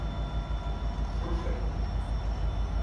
chouchenn